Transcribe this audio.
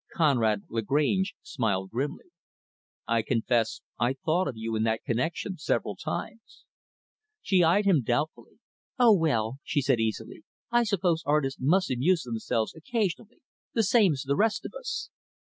Conrad Lagrange smiled grimly. "I confess I thought of you in that connection several times." She eyed him doubtfully. "Oh, well," she said easily, "I suppose artists must amuse themselves, occasionally the same as the rest of us."